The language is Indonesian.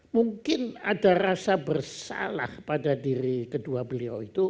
mungkin ada rasa bersalah pada diri kedua beliau itu